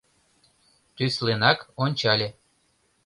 Тӱсленак ончале.